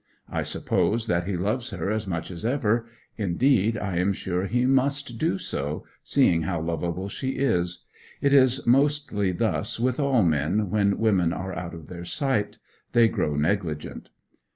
I suppose that he loves her as much as ever; indeed, I am sure he must do so, seeing how lovable she is. It is mostly thus with all men when women are out of their sight; they grow negligent.